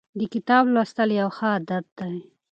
د کتاب لوستل یو ښه عادت دی.